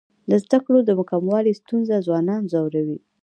د زده کړو د کموالي ستونزه ځوانان ځوروي.